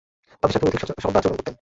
তাদের সাথে অধিক সদাচরণ করতেন।